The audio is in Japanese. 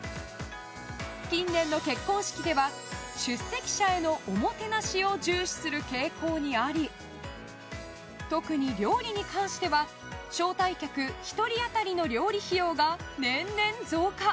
近年の結婚式では出席者へのおもてなしを重視する傾向にあり特に料理に関しては招待客１人当たりの料理費用が年々増加。